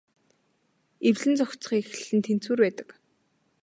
Эвлэн зохицохын эхлэл нь тэнцвэр байдаг.